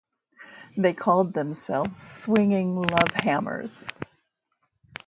They called themselves Swinging Lovehammers.